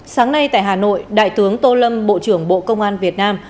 sáng nay tại hà nội đại tướng tô lâm bộ trưởng bộ công an việt nam